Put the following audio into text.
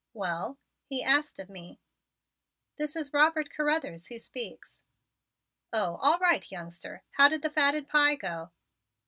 "Well?" he asked of me. "This is Robert Carruthers who speaks." "Oh, all right, youngster. How did the fatted pie go?"